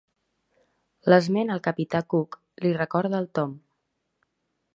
L'esment al capità Cook li recorda el Tom.